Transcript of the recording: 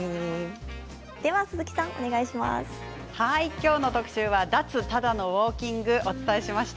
今日の特集は脱ただのウォーキングをお伝えしました。